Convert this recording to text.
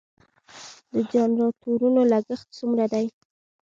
د جنراتورونو لګښت څومره دی؟